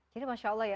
jadi masya allah ya